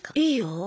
いいよ。